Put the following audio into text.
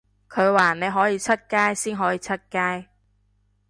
佢話你可以出街先可以出街